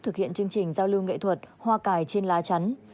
thực hiện chương trình giao lưu nghệ thuật hoa cài trên lá chắn